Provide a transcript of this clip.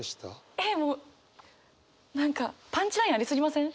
えっもう何かパンチラインありすぎません？